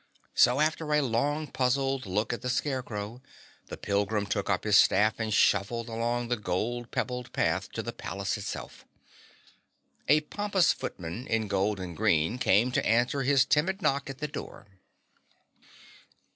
So after a long puzzled look at the Scarecrow the pilgrim took up his staff and shuffled along the gold pebbled path to the palace itself. A pompous footman in gold and green came to answer his timid knock at the door.